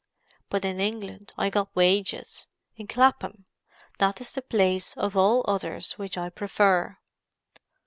But in England I got wages. In Clapham. That is the place of all others which I prefer."